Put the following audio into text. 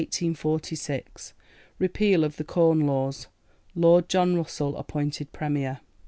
Repeal of the Corn Laws. Lord John Russell appointed Premier.